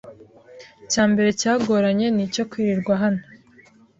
Icyambere cyagoranye ni icyo kwirirwa hano